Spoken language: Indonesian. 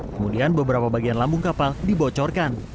kemudian beberapa bagian lambung kapal dibocorkan